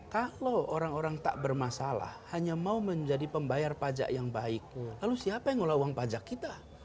kalau orang orang tak bermasalah hanya mau menjadi pembayar pajak yang baik lalu siapa yang ngelola uang pajak kita